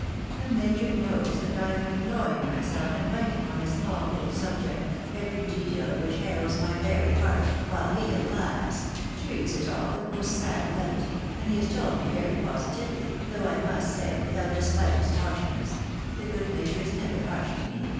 The majo» knows that I am employing myself in writing on this awful subject, every detail of which harrows my very heart, ■while he, alas ! treats it all with most sad levity, and he has told me very positively, though I must say without the slightest harsh ness — ^the good major is never harsh to me